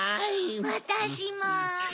わたしも！